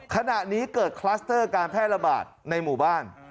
ขณะนี้เกิดคลัสเตอร์การแพร่ระบาดในหมู่บ้าน